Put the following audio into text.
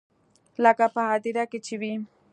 لکه په هديره کښې چې وي.